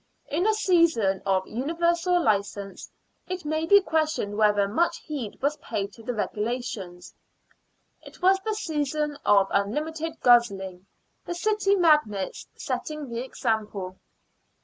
In a season of universal license it may be questioned whether much heed was paid to the regula tions. It was the season of unlimited guzzling, the city magnates setting the example.